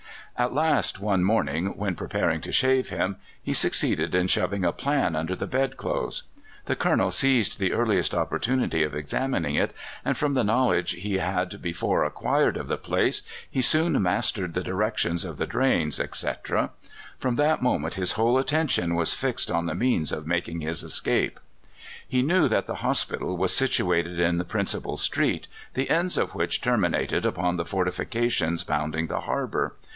At last, one morning when preparing to shave him, he succeeded in shoving a plan under the bedclothes. The Colonel seized the earliest opportunity of examining it, and from the knowledge he had before acquired of the place he soon mastered the directions of the drains, etc. From that moment his whole attention was fixed on the means of making his escape. He knew that the hospital was situated in the principal street, the ends of which terminated upon the fortifications bounding the harbour.